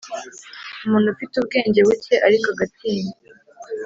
Umuntu ufite ubwenge buke ariko agatinya,